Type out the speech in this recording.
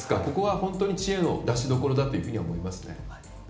ここは本当に知恵の出しどころだと思います。